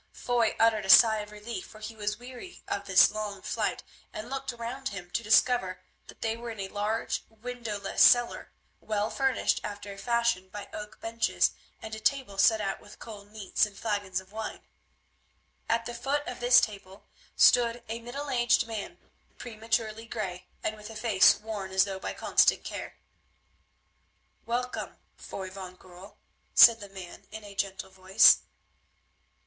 Foy uttered a sigh of relief for he was weary of this long flight, and looked round him to discover that they were in a large windowless cellar, well furnished after a fashion by oak benches and a table set out with cold meats and flagons of wine. At the foot of this table stood a middle aged man, prematurely grey, and with a face worn as though by constant care. "Welcome, Foy van Goorl," said the man in a gentle voice.